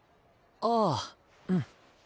ああうん。